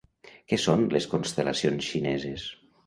Què són les constel·lacions xineses?